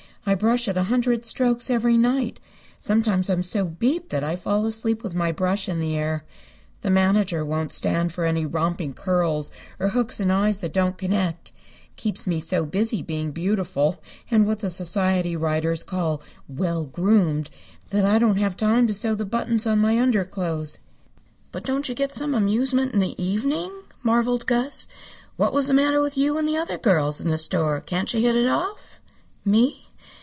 "I brush it a hundred strokes every night. Sometimes I'm so beat that I fall asleep with my brush in the air. The manager won't stand for any romping curls or hooks and eyes that don't connect. It keeps me so busy being beautiful, and what the society writers call 'well groomed,' that I don't have time to sew the buttons on my underclothes." "But don't you get some amusement in the evening?" marveled Gus. "What was the matter with you and the other girls in the store? Can't you hit it off?" "Me?